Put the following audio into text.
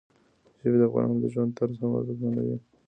ژبې د افغانانو د ژوند طرز هم اغېزمنوي.